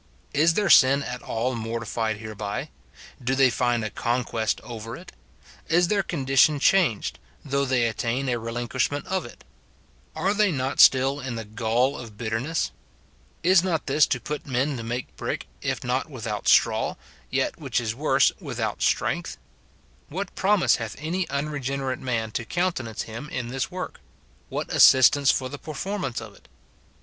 Is their sin at all mor SIN IN BELIEVERS. 213 tified hereby ? Do they find a conquest over it ? Is their condition changed, though they attain a relinquish ment of it ? Are they not still in the gall of bitterness ? Is not this to put men to make brick, if not without straw, yet, which is worse, without strength f What promise hath any unregenerate man to countenance him in this work ? what assistance for the performance of it